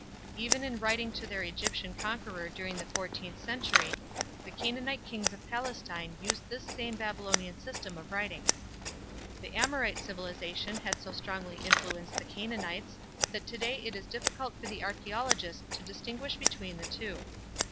Even in writing to their Egyptian conqueror during the fourteenth century, the Canaanite kings of Palestine used this same Babylonian system of writing. The Amorite civilization had so strongly influenced the Canaanites that to day it is difficult for the archaeologist to distinguish between the two.